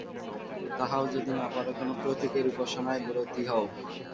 তাহাও যদি না পার, কোন প্রতীকের উপাসনায় ব্রতী হও।